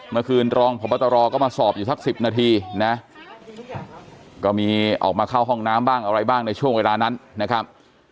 รองพบตรก็มาสอบอยู่สัก๑๐นาทีนะก็มีออกมาเข้าห้องน้ำบ้างอะไรบ้างในช่วงเวลานั้นนะครับ